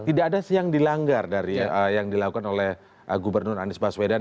tidak ada yang dilanggar dari yang dilakukan oleh gubernur anies baswedan